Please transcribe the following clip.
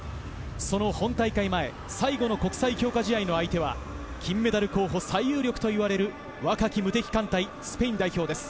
本大会前、最後の国際強化試合の相手は金メダル候補最有力といわれる若き無敵艦隊スペイン代表です。